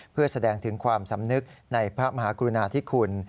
เพื่อแสดงถึงความสำนึกในพระมหากรุณาธิคุณ